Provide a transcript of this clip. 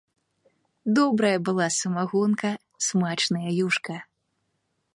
Добрая была самагонка, смачная юшка!